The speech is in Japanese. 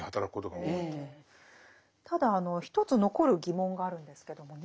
ただ一つ残る疑問があるんですけどもね